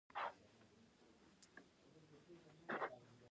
رښتیا ویل د شخصیت وقار زیاتوي.